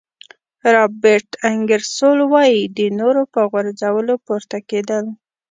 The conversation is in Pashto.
رابرټ انګیرسول وایي د نورو په غورځولو پورته کېدل.